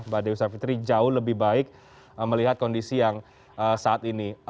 mbak dewi savitri jauh lebih baik melihat kondisi yang saat ini